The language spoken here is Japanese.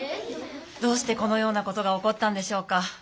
どうしてこのようなことがおこったんでしょうか。